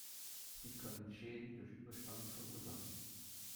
Sie können Schäden durch Überspannung verursachen.